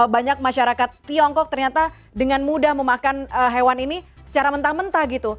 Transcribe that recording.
banyak masyarakat tiongkok ternyata dengan mudah memakan hewan ini secara mentah mentah gitu